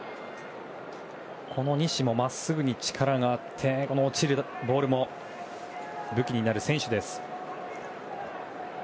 この西も、まっすぐに力があって落ちるボールも武器になる選手です。